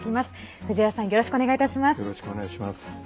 藤原さんよろしくお願いいたします。